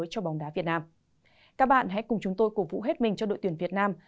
các bạn hãy cùng chúng tôi cổ vũ hết mình cho đội tuyển việt nam